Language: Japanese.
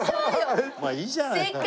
まあいいじゃないか。